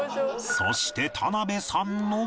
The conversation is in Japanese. そして田辺さんのも